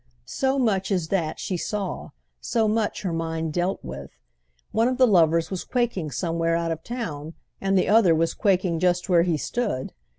So much as that she saw, so much her mind dealt with. One of the lovers was quaking somewhere out of town, and the other was quaking just where he stood.